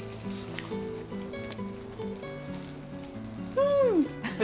うん。